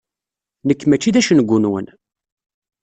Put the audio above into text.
Nekk mačči d acengu-nwen.